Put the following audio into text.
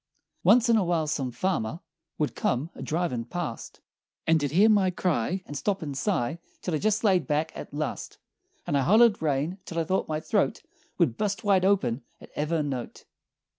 "Once in a while some farmer Would come a driven' past And he'd hear my cry, And stop and sigh Till I jest laid back, at last, And I hollered rain till I thought my throat Would bust wide open at ever' note!